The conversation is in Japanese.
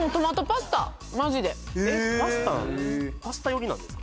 ・パスタ寄りなんですか？